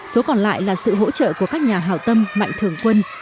số còn lại là sự hỗ trợ của các nhà hào tâm mạnh thường quân